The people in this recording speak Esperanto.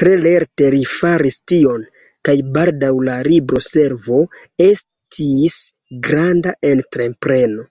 Tre lerte li faris tion, kaj baldaŭ la libro-servo estis granda entrepreno.